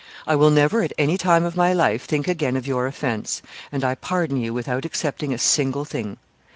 I will never at any time of my life think again of your offence, and I pardon you without excepting a single thing.